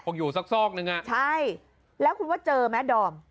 คงอยู่ซอกหนึ่งน่ะใช่แล้วคุณว่าเจอไหมดอม